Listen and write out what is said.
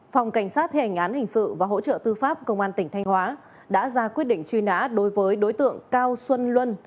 phòng cảnh sát thể hành án hình sự và hỗ trợ tư pháp công an tỉnh thanh hóa đã ra quyết định truy nã đối với đối tượng cao xuân luân